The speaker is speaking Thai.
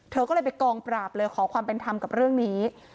เธอก็เลยไปกองปราบเลยขอความเป็นธรรมกับเรื่องนี้